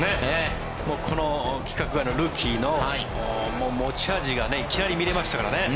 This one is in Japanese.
この規格外のルーキーの持ち味がいきなり見れましたからね。